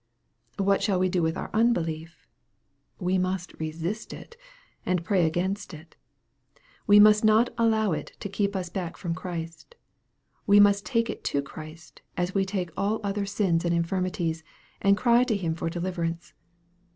What shall we do with our unbelief ? We must resist it, and pray against it. We must not allow it to keep us back from Christ. We must take it to Christ, as we take all other sins and infirmities, and cry to Him for deliverance.